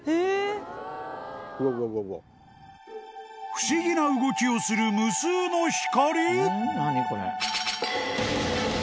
［不思議な動きをする無数の光？］